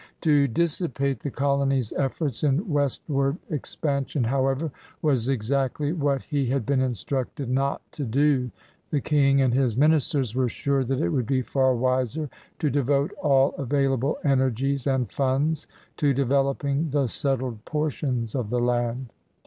To dissipate the colony's efforts in westward expansion, how ever, was exactly what he had been instructed not to do. The King and his ministers were siu^ that it would be far wiser to devote all available energies and funds to developing the settled por tions of the land.